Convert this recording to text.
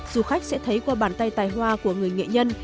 du khách sẽ thấy qua bàn tay tài hoa của người nghệ nhân